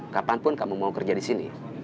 kapanpun kamu mau kerja di sini